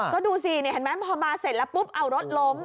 ก็ดูสินี่เห็นไหมพอมาเสร็จแล้วปุ๊บเอารถล้ม